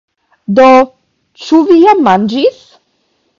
Do, ĉu vi jam manĝis?